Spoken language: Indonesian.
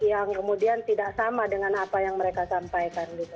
yang kemudian tidak sama dengan apa yang mereka sampaikan